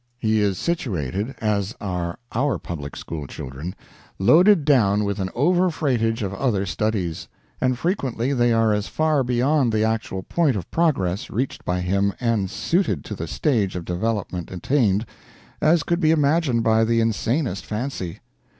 He is situated as are our public school children loaded down with an over freightage of other studies; and frequently they are as far beyond the actual point of progress reached by him and suited to the stage of development attained, as could be imagined by the insanest fancy.